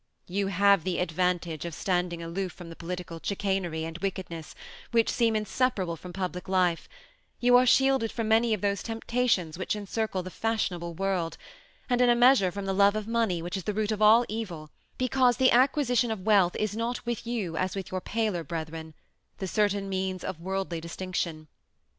You have the advantage of standing aloof from the political chicanery and wickedness which seem inseparable from public life, you are shielded from many of those temptations which encircle the fashionable world, and in a measure from the love of money, which is the root of all evil, because the acquisition of wealth is not with you as with your paler brethren, the certain means of worldly distinction.